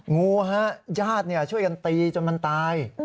งูร้านยาจะช่วยกันตีจนมันตาย